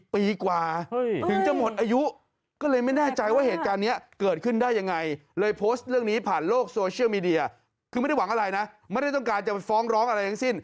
พอไม่ต้องการจะฟ้องร้องอะไรทั้งสิ้น